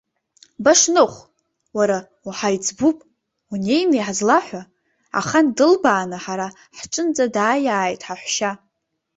Башныхә, уара уҳаиҵбуп, унеины иҳазлаҳәа, ахан дылбааны ҳара ҳҿынӡа дааиааит ҳаҳәшьа.